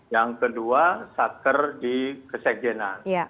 yang kedua satker di kesekjenan